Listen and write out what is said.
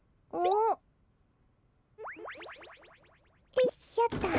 よいしょと。